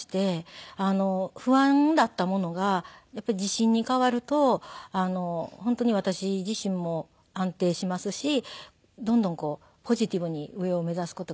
不安だったものが自信に変わると本当に私自身も安定しますしどんどんポジティブに上を目指す事ができます。